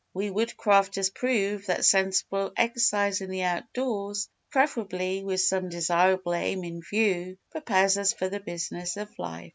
"We Woodcrafters prove that sensible exercise in the outdoors, preferably with some desirable aim in view, prepares us for the business of life.